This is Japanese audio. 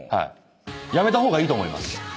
やめた方がいいと思います。